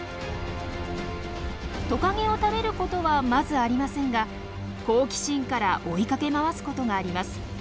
トカゲを食べることはまずありませんが好奇心から追いかけ回すことがあります。